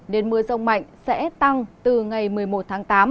nên mưa rông mạnh sẽ tăng từ ngày một mươi một tháng tám